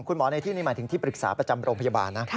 คุณหมอในที่นี่หมายถึงที่ปรึกษาประจำโรงพยาบาลนะ